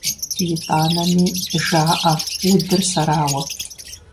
ИтӀанэми жаӀэ удыр сэрауэ!